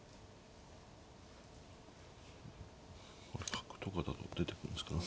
角とかだと出てくんですか。